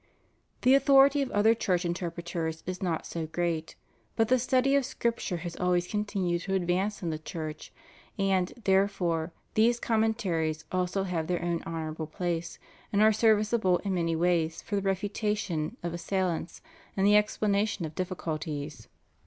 The authority of other Church interpreters is not so great; but the study of Scripture has always continued to advance in the Church, and, therefore, these commen taries also have their own honorable place, and are serv iceable in many ways for the refutation of assailants and the explanation of difficulties.